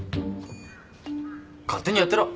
勝手にやってろ。